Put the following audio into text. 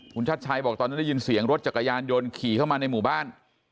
คุณชัดชัยบอกตอนนั้นได้ยินเสียงรถจักรยานยนต์ขี่เข้ามาในหมู่บ้าน